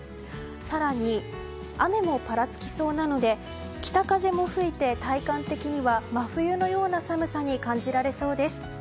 更に、雨もぱらつきそうなので北風も吹いて、体感的には真冬のような寒さに感じられそうです。